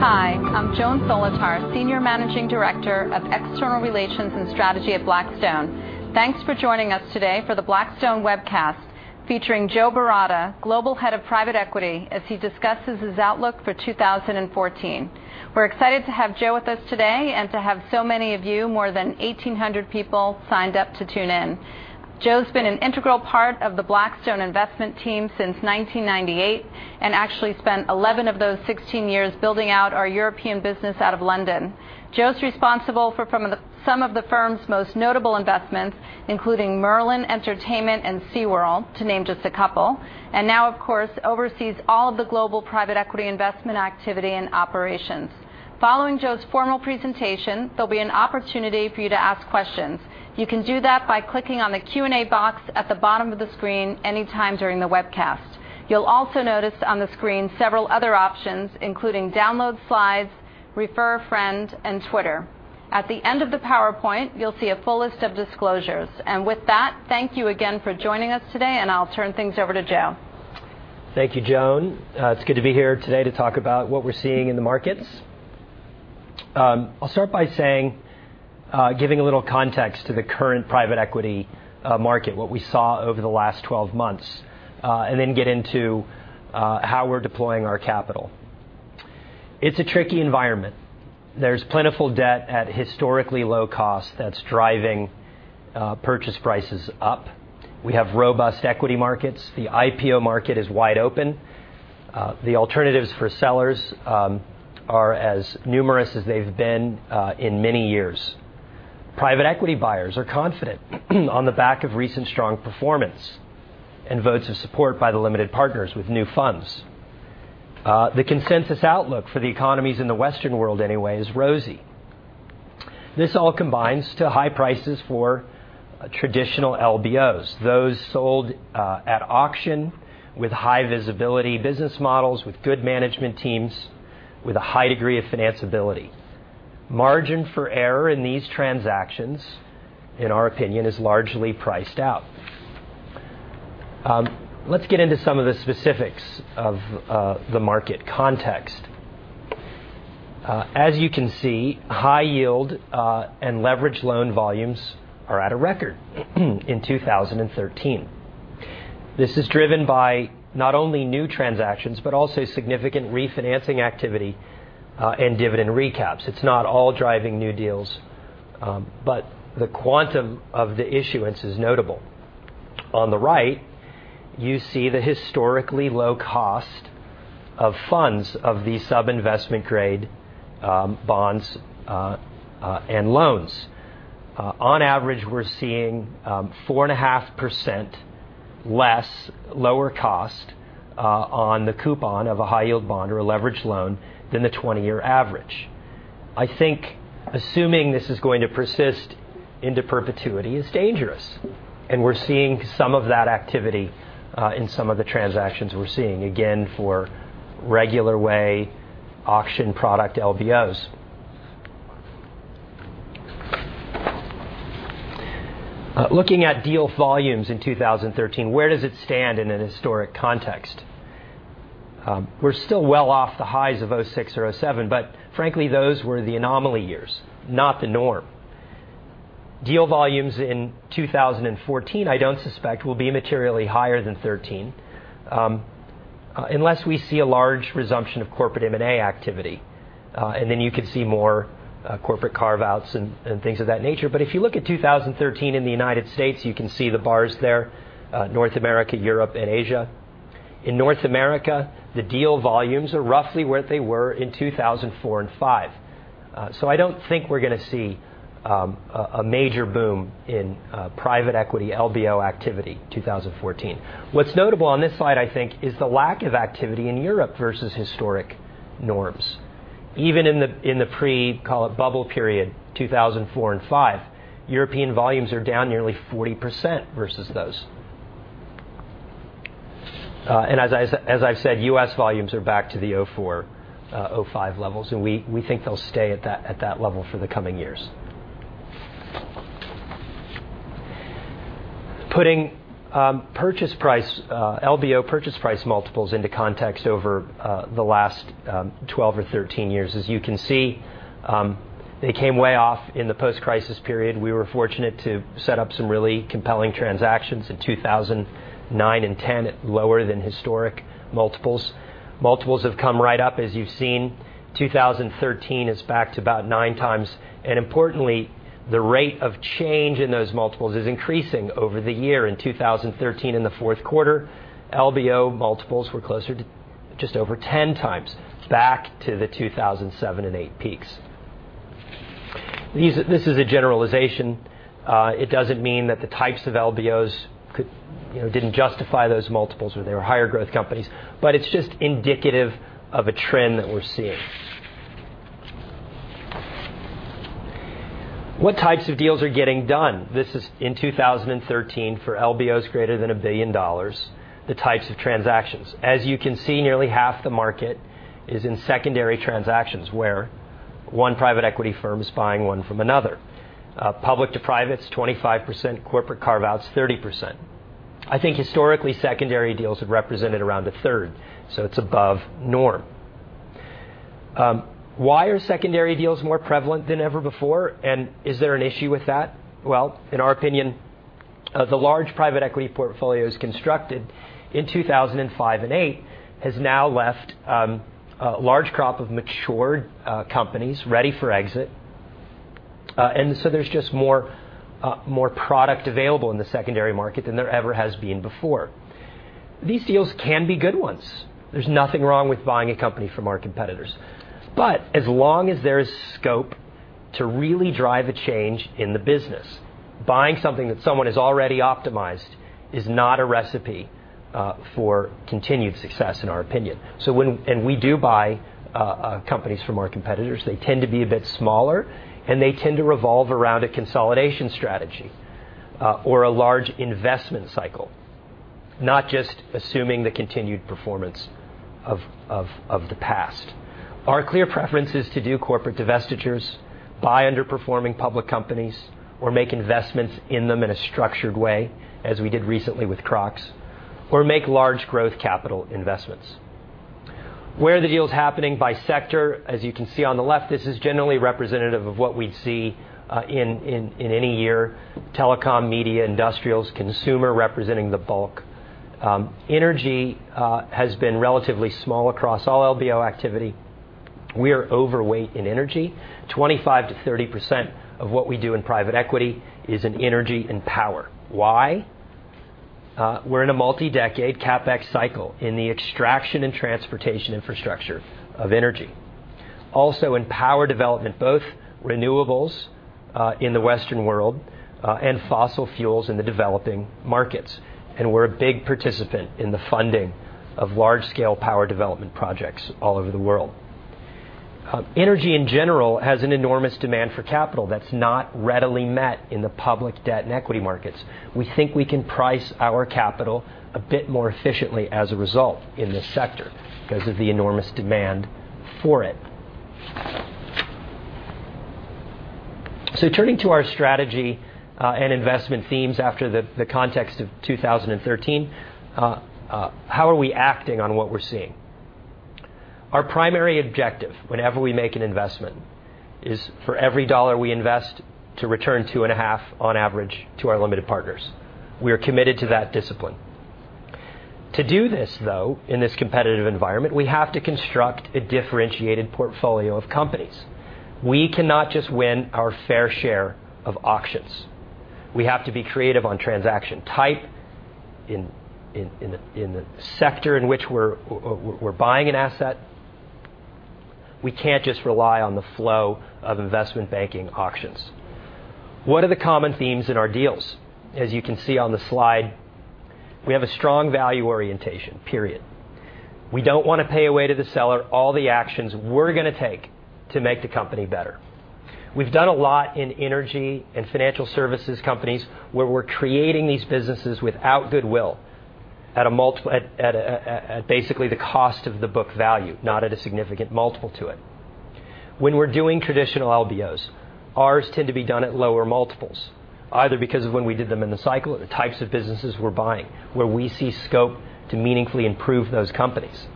Hi, I'm Joan Solotar, Senior Managing Director of External Relations and Strategy at Blackstone. Thanks for joining us today for the Blackstone webcast featuring Joe Baratta, Global Head of Private Equity, as he discusses his outlook for 2014. We're excited to have Joe with us today and to have so many of you, more than 1,800 people, signed up to tune in. Joe's been an integral part of the Blackstone investment team since 1998 and actually spent 11 of those 16 years building out our European business out of London. Joe's responsible for some of the firm's most notable investments, including Merlin Entertainments and SeaWorld, to name just a couple, and now, of course, oversees all of the global private equity investment activity and operations. Following Joe's formal presentation, there'll be an opportunity for you to ask questions. You can do that by clicking on the Q&A box at the bottom of the screen any time during the webcast. You'll also notice on the screen several other options, including Download Slides, Refer Friend, and Twitter. At the end of the PowerPoint, you'll see a full list of disclosures. With that, thank you again for joining us today, I'll turn things over to Joe. Thank you, Joan. It's good to be here today to talk about what we're seeing in the markets. I'll start by giving a little context to the current private equity market, what we saw over the last 12 months, then get into how we're deploying our capital. It's a tricky environment. There's plentiful debt at historically low cost that's driving purchase prices up. We have robust equity markets. The IPO market is wide open. The alternatives for sellers are as numerous as they've been in many years. Private equity buyers are confident on the back of recent strong performance and votes of support by the limited partners with new funds. The consensus outlook for the economies in the Western world anyway is rosy. This all combines to high prices for traditional LBOs, those sold at auction with high visibility business models, with good management teams, with a high degree of financability. Margin for error in these transactions, in our opinion, is largely priced out. Let's get into some of the specifics of the market context. As you can see, high yield and leveraged loan volumes are at a record in 2013. This is driven by not only new transactions, but also significant refinancing activity and dividend recaps. It's not all driving new deals, but the quantum of the issuance is notable. On the right, you see the historically low cost of funds of these sub-investment grade bonds and loans. On average, we're seeing 4.5% less lower cost on the coupon of a high-yield bond or a leveraged loan than the 20-year average. Assuming this is going to persist into perpetuity is dangerous, we're seeing some of that activity in some of the transactions we're seeing, again, for regular way auction product LBOs. Looking at deal volumes in 2013, where does it stand in an historic context? We're still well off the highs of 2006 or 2007, frankly, those were the anomaly years, not the norm. Deal volumes in 2014, I don't suspect, will be materially higher than 2013. Unless we see a large resumption of corporate M&A activity, then you could see more corporate carve-outs and things of that nature. If you look at 2013 in the United States, you can see the bars there, North America, Europe, and Asia. In North America, the deal volumes are roughly what they were in 2004 and 2005. I don't think we're going to see a major boom in private equity LBO activity 2014. What's notable on this slide, I think, is the lack of activity in Europe versus historic norms. Even in the pre, call it bubble period, 2004 and 2005, European volumes are down nearly 40% versus those. As I've said, U.S. volumes are back to the 2004, 2005 levels, and we think they'll stay at that level for the coming years. Putting LBO purchase price multiples into context over the last 12 or 13 years, as you can see, they came way off in the post-crisis period. We were fortunate to set up some really compelling transactions in 2009 and 2010 at lower than historic multiples. Multiples have come right up, as you've seen. 2013 is back to about 9x. Importantly, the rate of change in those multiples is increasing over the year. In 2013, in the fourth quarter, LBO multiples were closer to just over 10x, back to the 2007 and 2008 peaks. This is a generalization. It doesn't mean that the types of LBOs didn't justify those multiples or they were higher growth companies, but it's just indicative of a trend that we're seeing. What types of deals are getting done? This is in 2013 for LBOs greater than $1 billion, the types of transactions. As you can see, nearly half the market is in secondary transactions where one private equity firm is buying one from another. Public to private is 25%, corporate carve-outs 30%. I think historically, secondary deals have represented around a third, so it's above norm. Why are secondary deals more prevalent than ever before and is there an issue with that? Well, in our opinion, the large private equity portfolios constructed in 2005 and 2008 has now left a large crop of matured companies ready for exit, there's just more product available in the secondary market than there ever has been before. These deals can be good ones. There's nothing wrong with buying a company from our competitors, but as long as there is scope to really drive a change in the business, buying something that someone has already optimized is not a recipe for continued success, in our opinion. We do buy companies from our competitors. They tend to be a bit smaller, and they tend to revolve around a consolidation strategy or a large investment cycle, not just assuming the continued performance of the past. Our clear preference is to do corporate divestitures, buy underperforming public companies, or make investments in them in a structured way, as we did recently with Crocs, or make large growth capital investments. Where are the deals happening by sector? As you can see on the left, this is generally representative of what we'd see in any year. Telecom, media, industrials, consumer representing the bulk. Energy has been relatively small across all LBO activity. We are overweight in energy. 25%-30% of what we do in private equity is in energy and power. Why? We're in a multi-decade CapEx cycle in the extraction and transportation infrastructure of energy. Also, in power development, both renewables in the Western world and fossil fuels in the developing markets, we're a big participant in the funding of large-scale power development projects all over the world. Energy, in general, has an enormous demand for capital that's not readily met in the public debt and equity markets. We think we can price our capital a bit more efficiently as a result in this sector because of the enormous demand for it. Turning to our strategy and investment themes after the context of 2013, how are we acting on what we're seeing? Our primary objective whenever we make an investment is for every dollar we invest to return $2.5 on average to our limited partners. We are committed to that discipline. To do this, though, in this competitive environment, we have to construct a differentiated portfolio of companies. We cannot just win our fair share of auctions. We have to be creative on transaction type in the sector in which we're buying an asset. We can't just rely on the flow of investment banking auctions. What are the common themes in our deals? As you can see on the slide, we have a strong value orientation, period. We don't want to pay away to the seller all the actions we're going to take to make the company better. We've done a lot in energy and financial services companies where we're creating these businesses without goodwill at basically the cost of the book value, not at a significant multiple to it. When we're doing traditional LBOs, ours tend to be done at lower multiples, either because of when we did them in the cycle or the types of businesses we're buying, where we see scope to meaningfully improve those companies.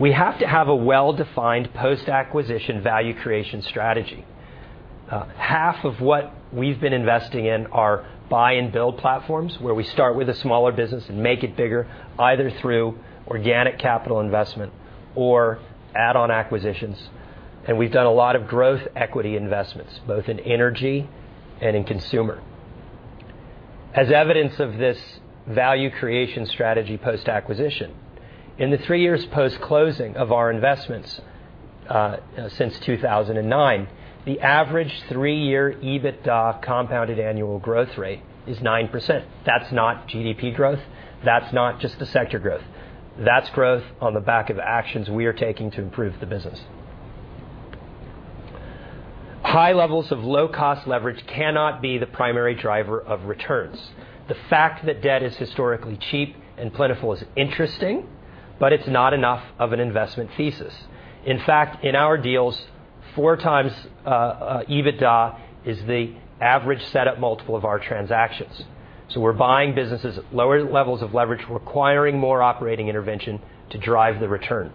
We have to have a well-defined post-acquisition value creation strategy. Half of what we've been investing in are buy and build platforms, where we start with a smaller business and make it bigger, either through organic capital investment or add-on acquisitions. We've done a lot of growth equity investments, both in energy and in consumer. As evidence of this value creation strategy post-acquisition, in the three years post-closing of our investments since 2009, the average three-year EBITDA compounded annual growth rate is 9%. That's not GDP growth. That's not just the sector growth. That's growth on the back of actions we are taking to improve the business. High levels of low-cost leverage cannot be the primary driver of returns. The fact that debt is historically cheap and plentiful is interesting, but it's not enough of an investment thesis. In fact, in our deals, 4x EBITDA is the average set up multiple of our transactions. We're buying businesses at lower levels of leverage, requiring more operating intervention to drive the return.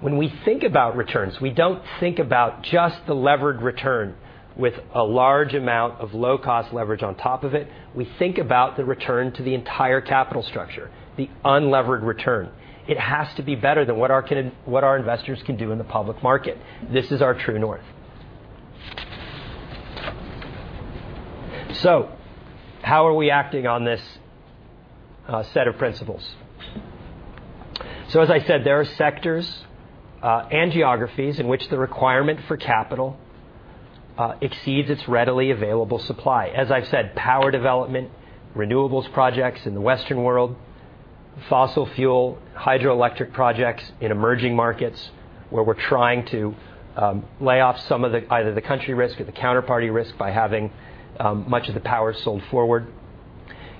When we think about returns, we don't think about just the levered return with a large amount of low-cost leverage on top of it. We think about the return to the entire capital structure, the unlevered return. It has to be better than what our investors can do in the public market. This is our true north. How are we acting on this set of principles? As I said, there are sectors and geographies in which the requirement for capital exceeds its readily available supply. As I've said, power development, renewables projects in the Western world, fossil fuel, hydroelectric projects in emerging markets, where we're trying to lay off some of either the country risk or the counterparty risk by having much of the power sold forward.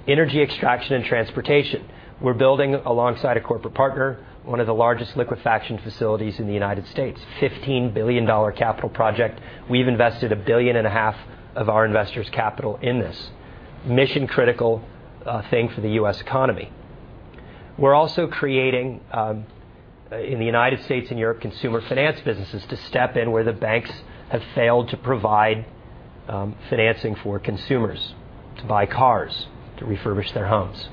Energy extraction and transportation. We're building alongside a corporate partner, one of the largest liquefaction facilities in the United States, a $15 billion capital project. We've invested $1.5 billion of our investors' capital in this mission-critical thing for the U.S. economy. We're also creating, in the United States and Europe, consumer finance businesses to step in where the banks have failed to provide financing for consumers to buy cars, to refurbish their homes.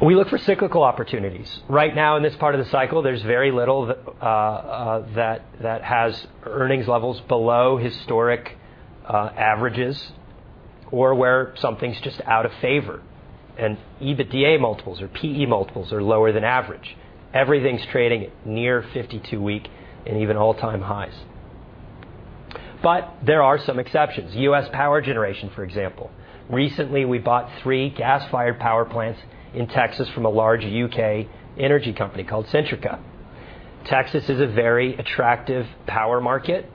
We look for cyclical opportunities. Right now in this part of the cycle, there's very little that has earnings levels below historic averages or where something's just out of favor, and EBITDA multiples or PE multiples are lower than average. Everything's trading at near 52-week and even all-time highs. There are some exceptions. U.S. power generation, for example. Recently, we bought three gas-fired power plants in Texas from a large U.K. energy company called Centrica. Texas is a very attractive power market.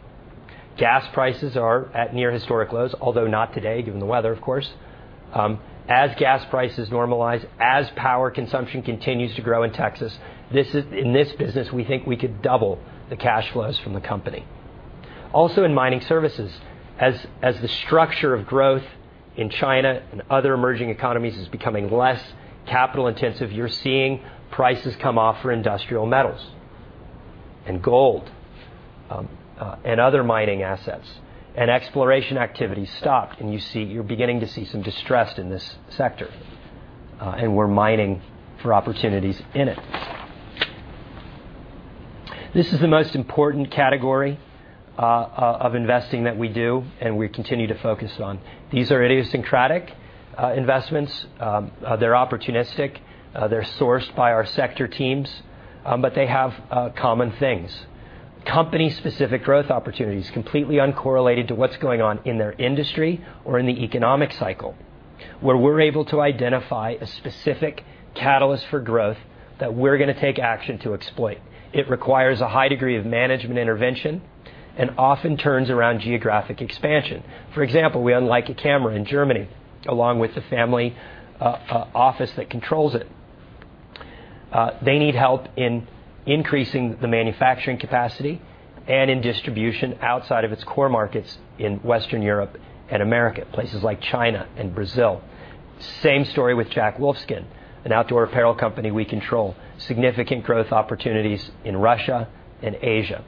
Gas prices are at near historic lows, although not today, given the weather, of course. As gas prices normalize, as power consumption continues to grow in Texas, in this business, we think we could double the cash flows from the company. Also, in mining services, as the structure of growth in China and other emerging economies is becoming less capital intensive, you're seeing prices come off for industrial metals, and gold, and other mining assets. Exploration activity stopped, and you're beginning to see some distress in this sector. We're mining for opportunities in it. This is the most important category of investing that we do and we continue to focus on. These are idiosyncratic investments. They're opportunistic. They're sourced by our sector teams, but they have common things. Company-specific growth opportunities, completely uncorrelated to what's going on in their industry or in the economic cycle, where we're able to identify a specific catalyst for growth that we're going to take action to exploit. It requires a high degree of management intervention and often turns around geographic expansion. For example, we own Leica Camera in Germany, along with the family office that controls it. They need help in increasing the manufacturing capacity and in distribution outside of its core markets in Western Europe and America, places like China and Brazil. Same story with Jack Wolfskin, an outdoor apparel company we control. Significant growth opportunities in Russia and Asia.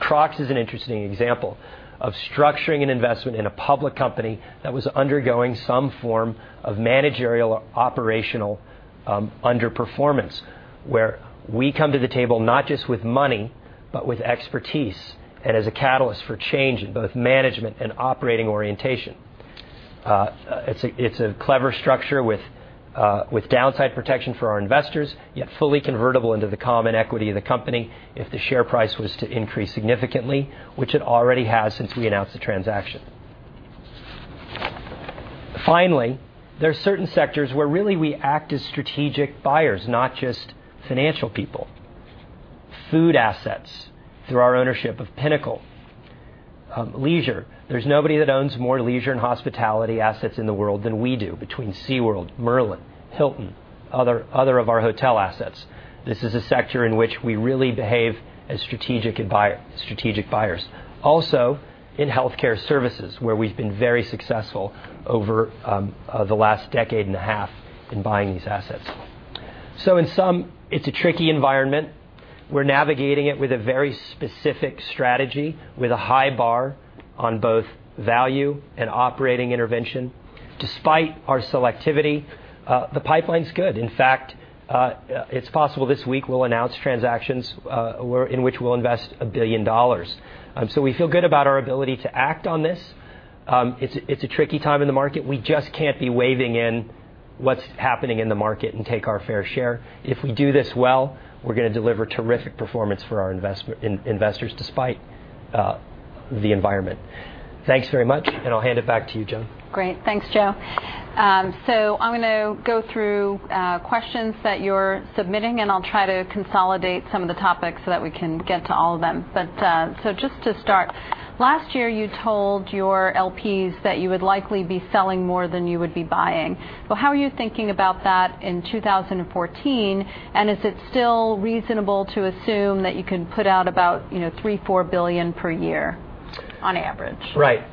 Crocs is an interesting example of structuring an investment in a public company that was undergoing some form of managerial or operational underperformance, where we come to the table not just with money, but with expertise, and as a catalyst for change in both management and operating orientation. It's a clever structure with downside protection for our investors, yet fully convertible into the common equity of the company if the share price was to increase significantly, which it already has since we announced the transaction. Finally, there are certain sectors where really we act as strategic buyers, not just financial people. Food assets, through our ownership of Pinnacle Foods. Leisure. There's nobody that owns more leisure and hospitality assets in the world than we do, between SeaWorld, Merlin Entertainments, Hilton, other of our hotel assets. This is a sector in which we really behave as strategic buyers. Also, in healthcare services, where we've been very successful over the last decade and a half in buying these assets. In sum, it's a tricky environment. We're navigating it with a very specific strategy, with a high bar on both value and operating intervention. Despite our selectivity, the pipeline's good. In fact, it's possible this week we'll announce transactions in which we'll invest $1 billion. We feel good about our ability to act on this. It's a tricky time in the market. We just can't be waving in what's happening in the market and take our fair share. If we do this well, we're going to deliver terrific performance for our investors despite the environment. Thanks very much, and I'll hand it back to you, Joan. Great. Thanks, Joe. I'm going to go through questions that you're submitting, and I'll try to consolidate some of the topics so that we can get to all of them. Just to start, last year, you told your LPs that you would likely be selling more than you would be buying. Well, how are you thinking about that in 2014, and is it still reasonable to assume that you can put out about $3 billion, $4 billion per year on average? Right.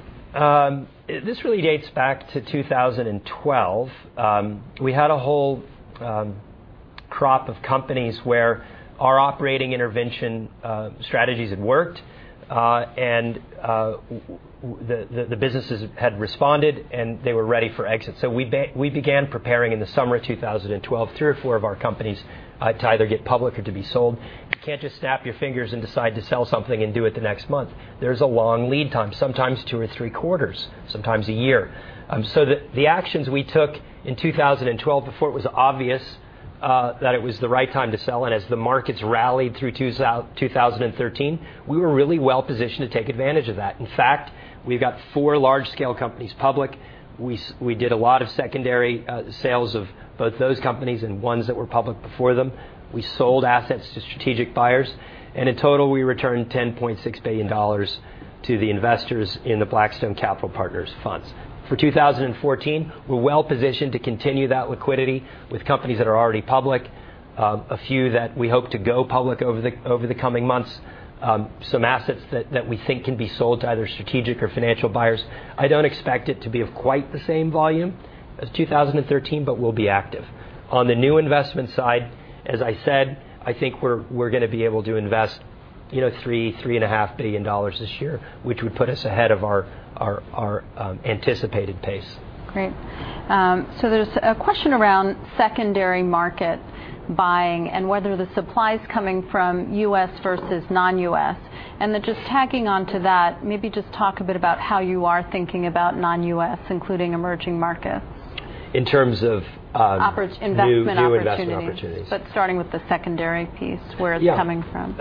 This really dates back to 2012. We had a whole crop of companies where our operating intervention strategies had worked, and the businesses had responded, and they were ready for exit. We began preparing in the summer of 2012, 3 or 4 of our companies to either get public or to be sold. You can't just snap your fingers and decide to sell something and do it the next month. There's a long lead time, sometimes 2 or 3 quarters, sometimes a year. The actions we took in 2012 before it was obvious that it was the right time to sell, and as the markets rallied through 2013, we were really well positioned to take advantage of that. In fact, we've got 4 large-scale companies public. We did a lot of secondary sales of both those companies and ones that were public before them. In total, we returned $10.6 billion to the investors in the Blackstone Capital Partners funds. For 2014, we're well positioned to continue that liquidity with companies that are already public, a few that we hope to go public over the coming months, some assets that we think can be sold to either strategic or financial buyers. I don't expect it to be of quite the same volume as 2013, but we'll be active. On the new investment side, as I said, I think we're going to be able to invest $3 billion, $3.5 billion this year, which would put us ahead of our anticipated pace. Great. There's a question around secondary market buying and whether the supply's coming from U.S. versus non-U.S. Then just tagging onto that, maybe just talk a bit about how you are thinking about non-U.S., including emerging markets. In terms of- Investment opportunities new investment opportunities. Starting with the secondary piece, where it's coming from.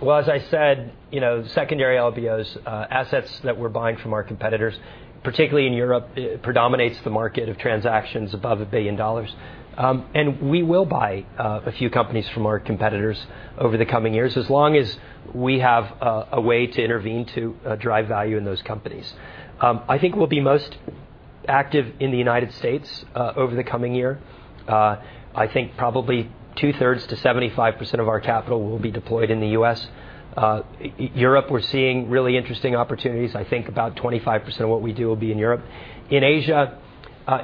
Well, as I said, secondary LBOs, assets that we're buying from our competitors, particularly in Europe, it predominates the market of transactions above $1 billion. We will buy a few companies from our competitors over the coming years, as long as we have a way to intervene to drive value in those companies. I think we'll be most active in the United States over the coming year. I think probably two-thirds to 75% of our capital will be deployed in the U.S. Europe, we're seeing really interesting opportunities. I think about 25% of what we do will be in Europe. In Asia,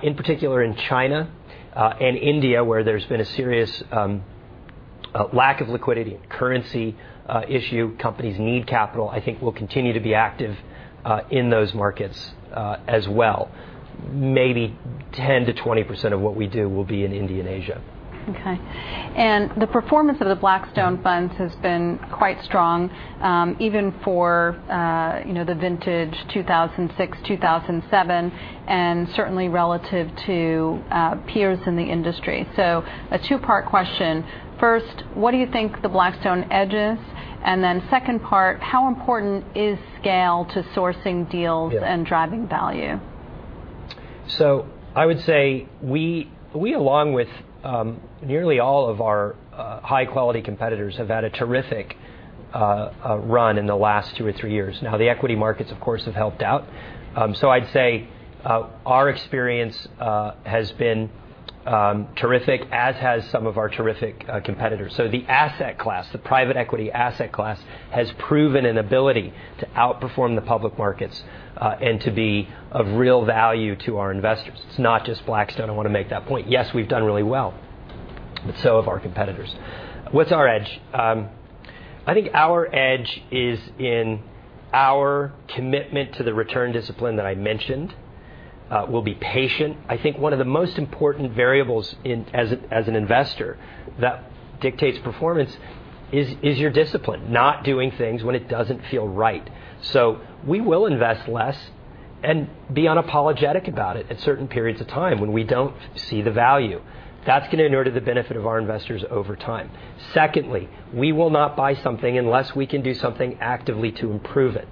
in particular in China and India, where there's been a serious lack of liquidity and currency issue, companies need capital. I think we'll continue to be active in those markets as well. Maybe 10%-20% of what we do will be in India and Asia. Okay. The performance of the Blackstone funds has been quite strong, even for the vintage 2006, 2007, and certainly relative to peers in the industry. A two-part question. First, what do you think the Blackstone edge is? Second part, how important is scale to sourcing deals? Yeah. And driving value? I would say we, along with nearly all of our high-quality competitors, have had a terrific run in the last two or three years. The equity markets, of course, have helped out. I'd say our experience has been terrific, as has some of our terrific competitors. The asset class, the private equity asset class, has proven an ability to outperform the public markets, and to be of real value to our investors. It's not just Blackstone, I want to make that point. Yes, we've done really well, but so have our competitors. What's our edge? I think our edge is in our commitment to the return discipline that I mentioned. We'll be patient. I think one of the most important variables as an investor that dictates performance is your discipline, not doing things when it doesn't feel right. We will invest less and be unapologetic about it at certain periods of time when we don't see the value. That's going to inure to the benefit of our investors over time. Secondly, we will not buy something unless we can do something actively to improve it.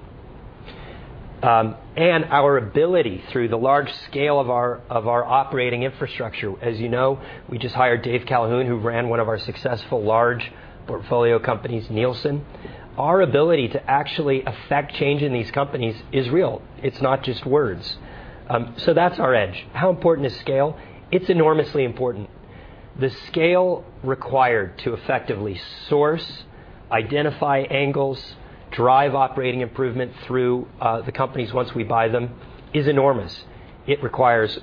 Our ability through the large scale of our operating infrastructure. As you know, we just hired Dave Calhoun, who ran one of our successful large portfolio companies, Nielsen. Our ability to actually affect change in these companies is real. It's not just words. That's our edge. How important is scale? It's enormously important. The scale required to effectively source, identify angles, drive operating improvement through the companies once we buy them, is enormous. It requires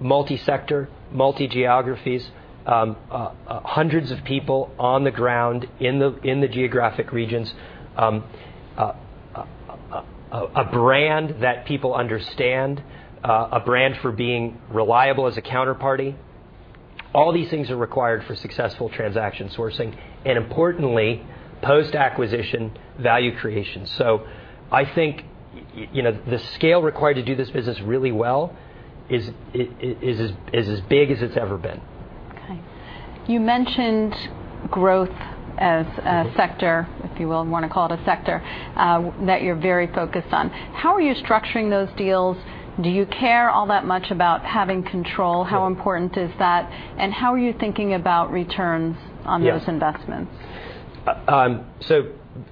multi-sector, multi-geographies, hundreds of people on the ground in the geographic regions, a brand that people understand, a brand for being reliable as a counterparty. All these things are required for successful transaction sourcing and importantly, post-acquisition value creation. I think the scale required to do this business really well is as big as it's ever been. Okay. You mentioned growth as a sector, if you will, and want to call it a sector, that you're very focused on. How are you structuring those deals? Do you care all that much about having control? How important is that, and how are you thinking about returns on- Yeah. Those investments?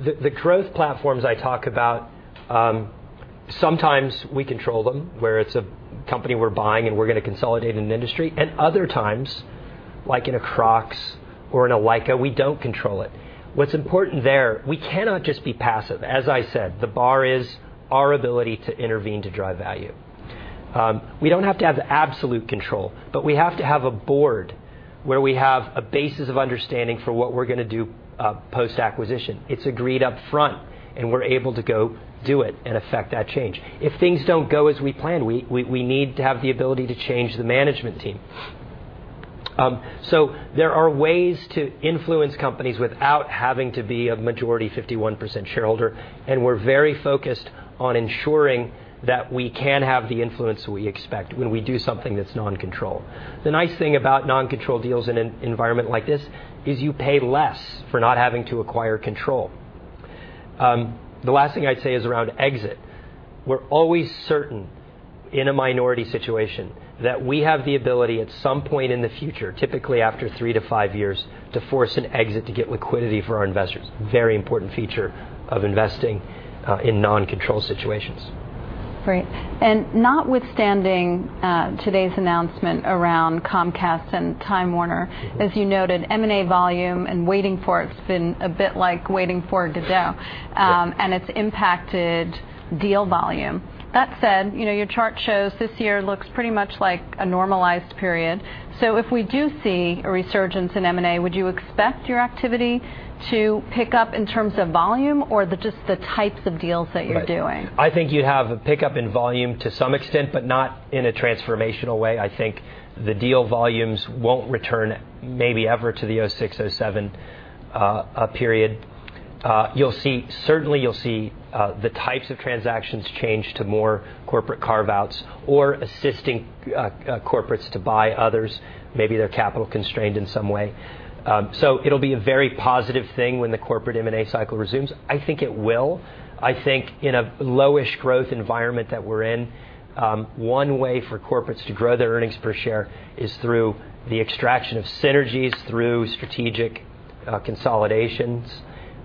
The growth platforms I talk about, sometimes we control them where it's a company we're buying and we're going to consolidate an industry. Other times, like in a Crocs or in a Leica, we don't control it. What's important there, we cannot just be passive. As I said, the bar is our ability to intervene to drive value. We don't have to have absolute control, but we have to have a board where we have a basis of understanding for what we're going to do post-acquisition. It's agreed up front, and we're able to go do it and affect that change. If things don't go as we plan, we need to have the ability to change the management team. There are ways to influence companies without having to be a majority 51% shareholder, and we're very focused on ensuring that we can have the influence we expect when we do something that's non-control. The nice thing about non-control deals in an environment like this is you pay less for not having to acquire control. The last thing I'd say is around exit. We're always certain in a minority situation that we have the ability at some point in the future, typically after three to five years, to force an exit to get liquidity for our investors. Very important feature of investing in non-control situations. Great. Notwithstanding today's announcement around Comcast and Time Warner, as you noted, M&A volume and waiting for it's been a bit like waiting for Godot. Yeah. It's impacted deal volume. That said, your chart shows this year looks pretty much like a normalized period. If we do see a resurgence in M&A, would you expect your activity to pick up in terms of volume or just the types of deals that you're doing? Right. I think you'd have a pickup in volume to some extent, but not in a transformational way. I think the deal volumes won't return maybe ever to the 2006, 2007 period. Certainly, you'll see the types of transactions change to more corporate carve-outs or assisting corporates to buy others. Maybe they're capital-constrained in some way. It'll be a very positive thing when the corporate M&A cycle resumes. I think it will. I think in a low-ish growth environment that we're in, one way for corporates to grow their earnings per share is through the extraction of synergies, through strategic consolidations.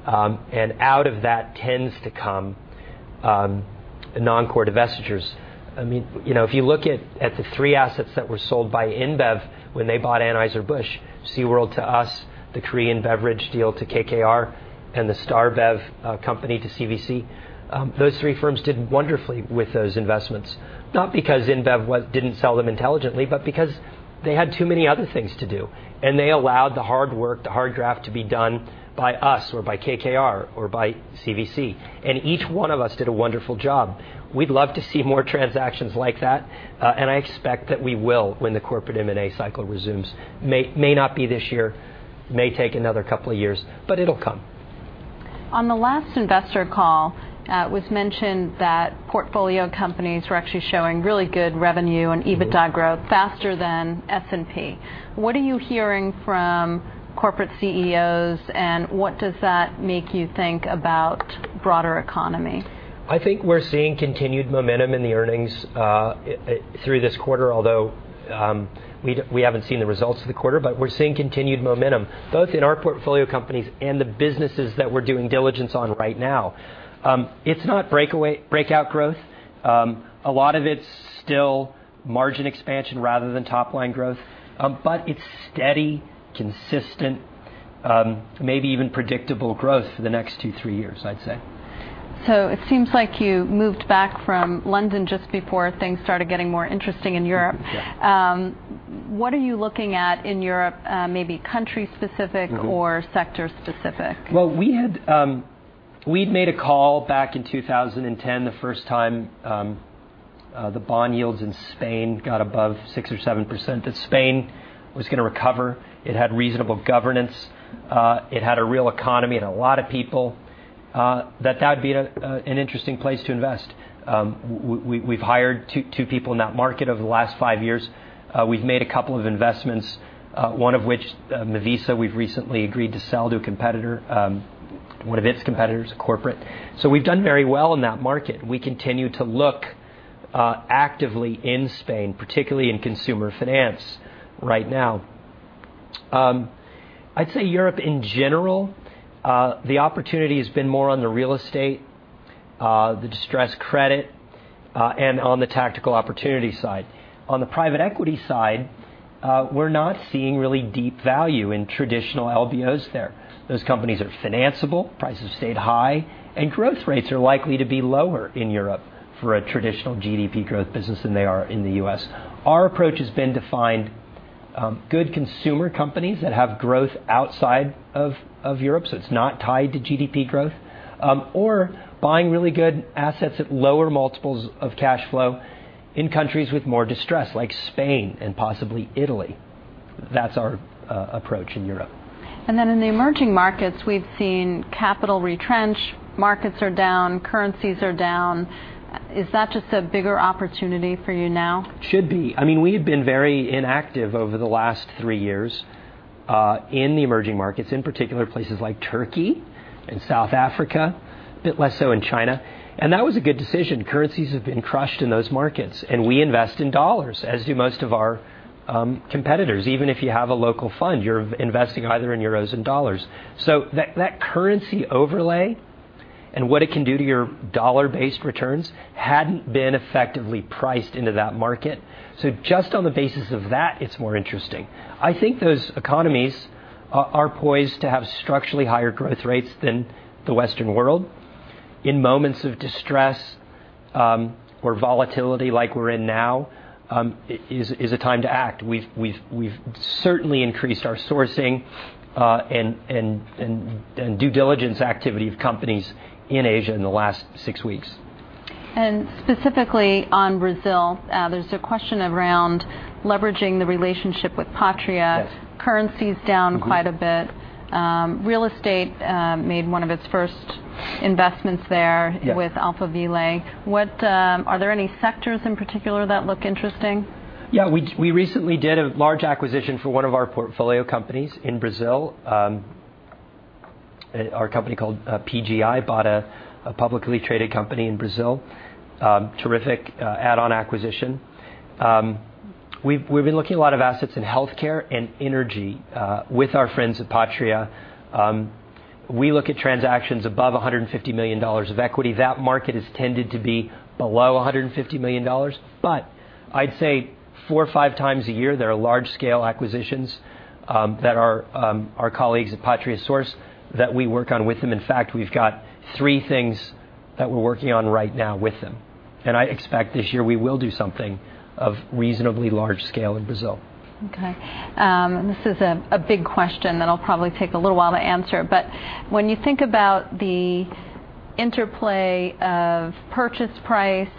Out of that tends to come non-core divestitures. If you look at the three assets that were sold by InBev when they bought Anheuser-Busch, SeaWorld to us, the Korean beverage deal to KKR, and the StarBev company to CVC. Those three firms did wonderfully with those investments, not because InBev didn't sell them intelligently, but because they had too many other things to do, and they allowed the hard work, the hard graft to be done by us or by KKR or by CVC. Each one of us did a wonderful job. We'd love to see more transactions like that, and I expect that we will, when the corporate M&A cycle resumes. May not be this year, may take another couple of years, but it'll come. On the last investor call, it was mentioned that portfolio companies were actually showing really good revenue and EBITDA growth faster than S&P. What are you hearing from corporate CEOs, and what does that make you think about broader economy? I think we're seeing continued momentum in the earnings through this quarter, although we haven't seen the results of the quarter. We're seeing continued momentum both in our portfolio companies and the businesses that we're doing diligence on right now. It's not breakout growth. A lot of it's still margin expansion rather than top-line growth. It's steady, consistent, maybe even predictable growth for the next two, three years, I'd say. It seems like you moved back from London just before things started getting more interesting in Europe. Yeah. What are you looking at in Europe? Maybe country-specific? Or sector-specific? Well, we'd made a call back in 2010, the first time the bond yields in Spain got above 6% or 7%, that Spain was going to recover. It had reasonable governance. It had a real economy and a lot of people, that that'd be an interesting place to invest. We've hired two people in that market over the last five years. We've made a couple of investments, one of which, Mivisa, we've recently agreed to sell to a competitor, one of its competitors, a corporate. We've done very well in that market, and we continue to look actively in Spain, particularly in consumer finance right now. I'd say Europe in general, the opportunity has been more on the real estate, the distressed credit, and on the tactical opportunity side. On the private equity side, we're not seeing really deep value in traditional LBOs there. Those companies are financeable. Prices have stayed high, growth rates are likely to be lower in Europe for a traditional GDP growth business than they are in the U.S. Our approach has been to find good consumer companies that have growth outside of Europe, so it's not tied to GDP growth, or buying really good assets at lower multiples of cash flow in countries with more distress, like Spain and possibly Italy. That's our approach in Europe. In the emerging markets, we've seen capital retrench. Markets are down, currencies are down. Is that just a bigger opportunity for you now? Should be. We've been very inactive over the last three years in the emerging markets, in particular places like Turkey and South Africa, a bit less so in China. That was a good decision. Currencies have been crushed in those markets, and we invest in dollars, as do most of our competitors. Even if you have a local fund, you're investing either in euros and dollars. That currency overlay and what it can do to your dollar-based returns hadn't been effectively priced into that market. Just on the basis of that, it's more interesting. I think those economies are poised to have structurally higher growth rates than the Western world. In moments of distress or volatility like we're in now, is a time to act. We've certainly increased our sourcing and due diligence activity of companies in Asia in the last six weeks. Specifically on Brazil, there's a question around leveraging the relationship with Pátria. Yes. Currency's down quite a bit. Real estate made one of its first investments there- Yeah. With Alphaville. Are there any sectors in particular that look interesting? Yeah, we recently did a large acquisition for one of our portfolio companies in Brazil. Our company called PGI bought a publicly traded company in Brazil. Terrific add-on acquisition. We've been looking at a lot of assets in healthcare and energy with our friends at Pátria. We look at transactions above $150 million of equity. That market has tended to be below $150 million, but I'd say four or five times a year, there are large-scale acquisitions that our colleagues at Pátria source that we work on with them. In fact, we've got three things that we're working on right now with them. I expect this year we will do something of reasonably large scale in Brazil. Okay. This is a big question that'll probably take a little while to answer, but when you think about the interplay of purchase price,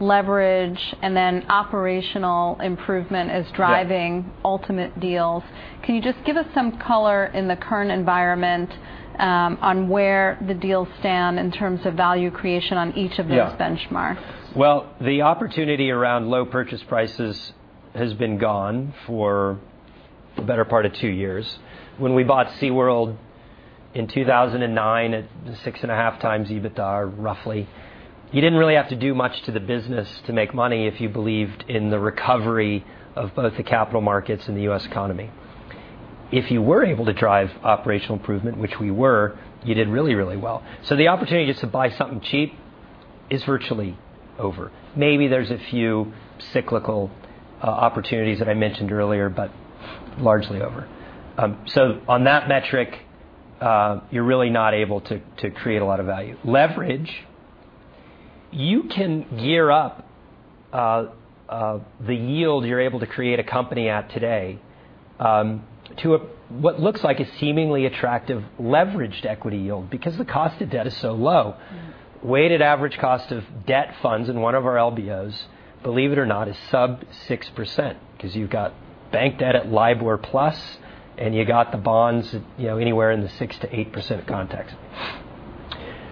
leverage, and then operational improvement as driving- Yeah. Ultimate deals, can you just give us some color in the current environment on where the deals stand in terms of value creation on each of those benchmarks? Yeah. Well, the opportunity around low purchase prices has been gone for the better part of two years. When we bought SeaWorld in 2009 at 6.5x EBITDA, roughly, you didn't really have to do much to the business to make money if you believed in the recovery of both the capital markets and the U.S. economy. If you were able to drive operational improvement, which we were, you did really, really well. The opportunity just to buy something cheap is virtually over. Maybe there's a few cyclical opportunities that I mentioned earlier, but largely over. On that metric, you're really not able to create a lot of value. Leverage, you can gear up the yield you're able to create a company at today, to what looks like a seemingly attractive leveraged equity yield because the cost of debt is so low. Weighted average cost of debt funds in one of our LBOs, believe it or not, is sub 6%, because you've got bank debt at LIBOR plus, and you got the bonds anywhere in the 6%-8% context.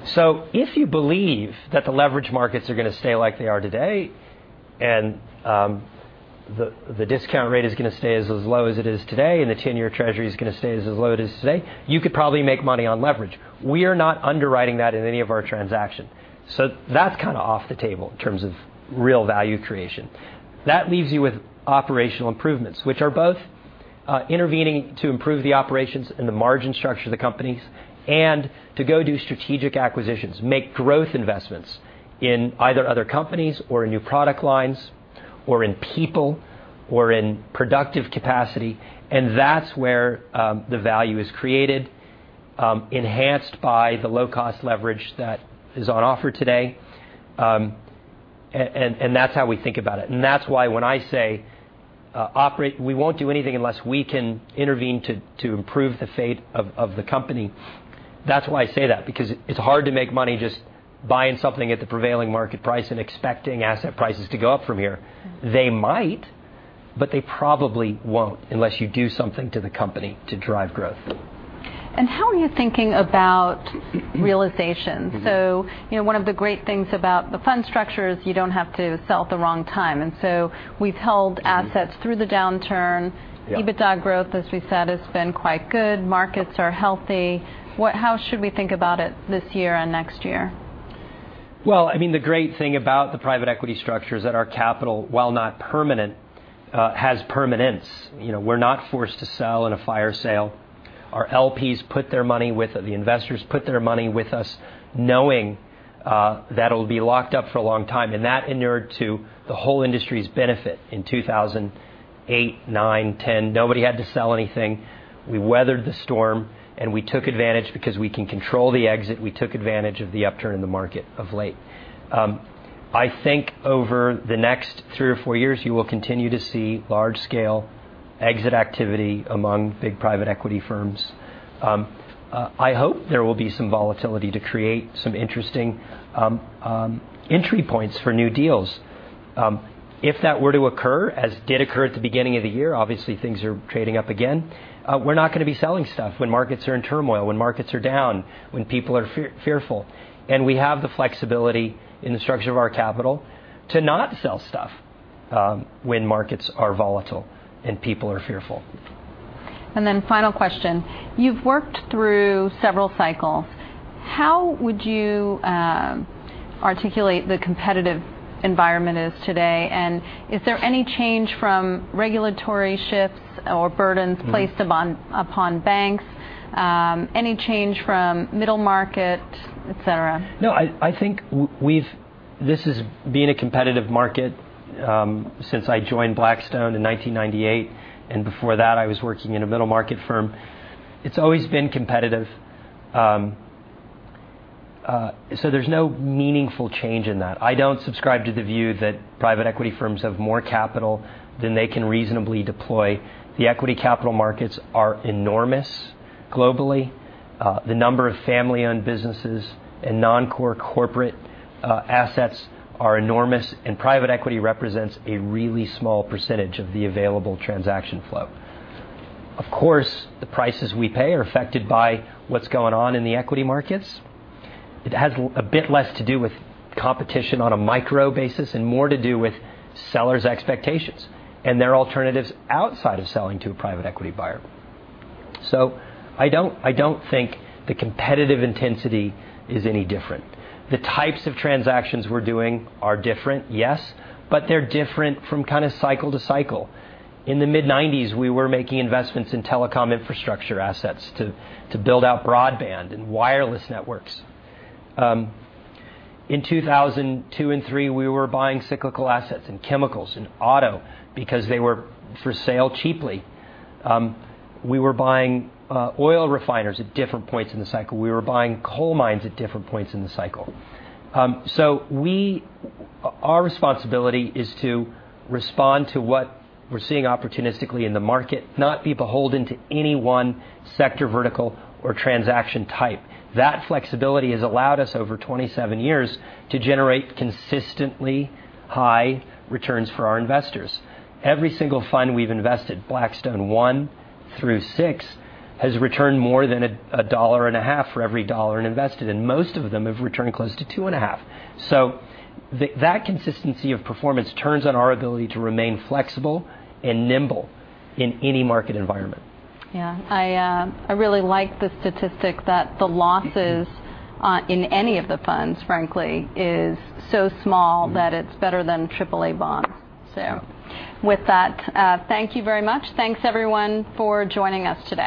If you believe that the leverage markets are going to stay like they are today, and the discount rate is going to stay as low as it is today, and the 10-year treasury is going to stay as low as it is today, you could probably make money on leverage. We are not underwriting that in any of our transactions. That's kind of off the table in terms of real value creation. That leaves you with operational improvements, which are both intervening to improve the operations and the margin structure of the companies, and to go do strategic acquisitions, make growth investments in either other companies or in new product lines, or in people, or in productive capacity. That's where the value is created, enhanced by the low-cost leverage that is on offer today. That's how we think about it. That's why when I say operate, we won't do anything unless we can intervene to improve the fate of the company. That's why I say that, because it's hard to make money just buying something at the prevailing market price and expecting asset prices to go up from here. Yeah. They might, but they probably won't, unless you do something to the company to drive growth. How are you thinking about realization? One of the great things about the fund structure is you don't have to sell at the wrong time. We've held assets through the downturn. Yeah. EBITDA growth, as we said, has been quite good. Markets are healthy. How should we think about it this year and next year? Well, I mean, the great thing about the private equity structure is that our capital, while not permanent, has permanence. We're not forced to sell in a fire sale. Our LPs put their money with, the investors put their money with us knowing that it'll be locked up for a long time. That inured to the whole industry's benefit in 2008, 2009, 2010. Nobody had to sell anything. We weathered the storm, and we took advantage because we can control the exit. We took advantage of the upturn in the market of late. I think over the next three or four years, you will continue to see large-scale exit activity among big private equity firms. I hope there will be some volatility to create some interesting entry points for new deals. If that were to occur, as did occur at the beginning of the year, obviously things are trading up again, we're not going to be selling stuff when markets are in turmoil, when markets are down, when people are fearful. We have the flexibility in the structure of our capital to not sell stuff when markets are volatile and people are fearful. Final question. You've worked through several cycles. How would you articulate the competitive environment is today? Is there any change from regulatory shifts or burdens placed upon banks? Is there any change from middle market, et cetera? No, I think this has been a competitive market since I joined Blackstone in 1998, and before that I was working in a middle-market firm. It's always been competitive. There's no meaningful change in that. I don't subscribe to the view that private equity firms have more capital than they can reasonably deploy. The equity capital markets are enormous globally. The number of family-owned businesses and non-core corporate assets are enormous. Private equity represents a really small percentage of the available transaction flow. Of course, the prices we pay are affected by what's going on in the equity markets. It has a bit less to do with competition on a micro basis and more to do with sellers' expectations and their alternatives outside of selling to a private equity buyer. I don't think the competitive intensity is any different. The types of transactions we're doing are different, yes. They're different from kind of cycle to cycle. In the mid-1990s, we were making investments in telecom infrastructure assets to build out broadband and wireless networks. In 2002 and 2003, we were buying cyclical assets in chemicals, in auto, because they were for sale cheaply. We were buying oil refiners at different points in the cycle. We were buying coal mines at different points in the cycle. Our responsibility is to respond to what we're seeing opportunistically in the market, not be beholden to any one sector vertical or transaction type. That flexibility has allowed us over 27 years to generate consistently high returns for our investors. Every single fund we've invested, Blackstone I through VI, has returned more than $1.5 for every dollar invested. Most of them have returned close to $2.5. That consistency of performance turns on our ability to remain flexible and nimble in any market environment. I really like the statistic that the losses in any of the funds, frankly, is so small that it's better than AAA bonds. With that, thank you very much. Thanks everyone for joining us today.